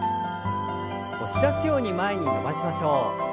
押し出すように前に伸ばしましょう。